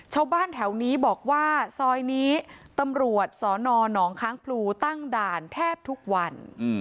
ชาวบ้านแถวนี้บอกว่าซอยนี้ตำรวจสนหนองค้างพลูตั้งด่านแทบทุกวัน